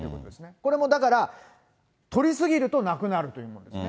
これもだから、取り過ぎるとなくなるというものですね。